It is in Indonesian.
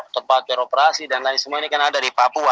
tempat beroperasi dan lain semua ini kan ada di papua